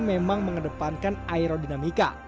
memang mengedepankan aerodinamika